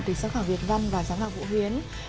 thì giám khảo việt văn và giám khảo vũ huyến